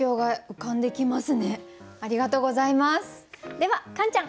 ではカンちゃん。